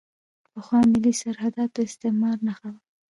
پخوا ملي سرحدات د استعمار نښه وو.